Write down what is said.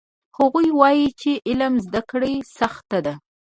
هغوی وایي چې علم زده کړه سخته ده